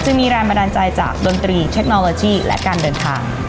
จะมีแรงบันดาลใจจากดนตรีเทคโนโลยีและการเดินทาง